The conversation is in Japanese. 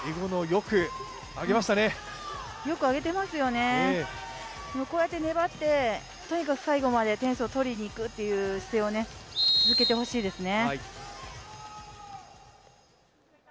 よく上げていますよね、こうやって粘って、とにかく最後まで点数を取りにいくという姿勢を続けてほしいですね。